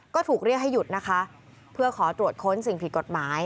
ก็ถูกเรียกให้หยุดนะคะเพื่อขอตรวจค้นสิ่งผิดกฎหมาย